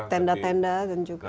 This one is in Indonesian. tenda tenda kan juga